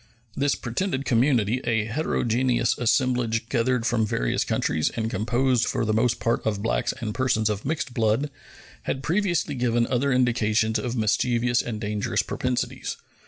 This pretended community, a heterogeneous assemblage gathered from various countries, and composed for the most part of blacks and persons of mixed blood, had previously given other indications of mischievous and dangerous propensities.